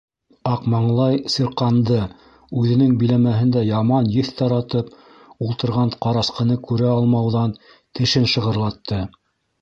Аҡмаңлай сирҡанды, үҙенең биләмәһендә яман еҫ таратып ултырған ҡарасҡыны күрә алмауҙан тешен шығырлатты.